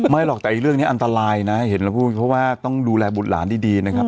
ไม่หรอกแต่เรื่องนี้อันตรายนะเพราะว่าต้องดูแลบุตรหลานดีนะครับ